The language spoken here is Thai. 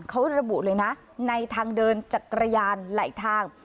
เขาระบุเลยนะในทางเดินจักรยานไหลทาง